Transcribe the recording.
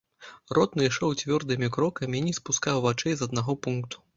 Ротны ішоў цвёрдымі крокамі і не спускаў вачэй з аднаго пункту.